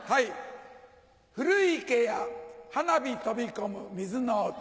古池や花火飛び込む水の音。